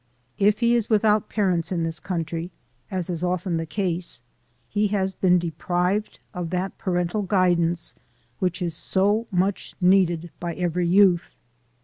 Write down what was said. If he is without parents in this country, as is often the case, he has been deprived of that parental guidance which is so much needed by every youth.